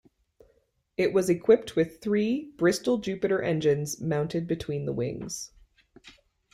It was equipped with three Bristol Jupiter engines mounted between the wings.